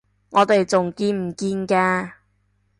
我哋仲見唔見㗎？